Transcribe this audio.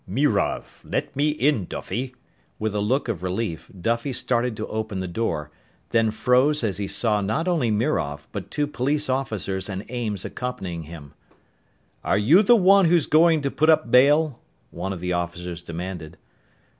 "Mirov! Let me in, Duffy!" replied an accented voice from outside. With a look of relief, Duffy started to open the door then froze as he saw not only Mirov, but two police officers and Ames accompanying him. "Are you the one who's going to put up bail?" one of the officers demanded.